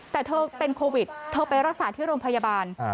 แต่เธอเป็นโควิดเธอไปรักษาที่โรงพยาบาล